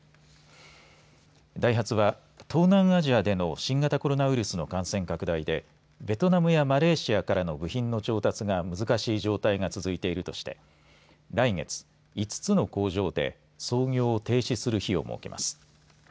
ダイハツは東南アジアでの新型コロナウイルスの感染拡大でベトナムやマレーシアからの部品の調達が難しい状態が続いているとして来月５つの工場で操業を停止する日を設けます。